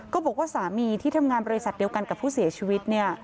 บอกว่าสามีที่ทำงานบริษัทเดียวกันกับผู้เสียชีวิต